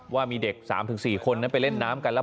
ว่ามีเด็กสามถึงสี่คนนั้นไปเล่นน้ำกัน